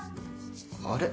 あれ？